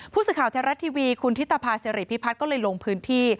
ผู้สื่อข่าวแท้รัฐทีวีคุณธิตภาษิริพิพัฒน์ก็เลยลงพื้นที่